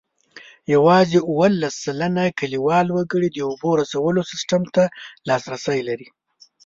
یوازې اوولس سلنه کلیوال وګړي د اوبو رسولو سیسټم ته لاسرسی لري.